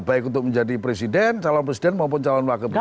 baik untuk menjadi presiden calon presiden maupun calon wakil presiden